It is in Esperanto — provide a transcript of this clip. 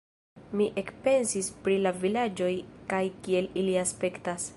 Mi ekpensis pri la vilaĝoj kaj kiel ili aspektas.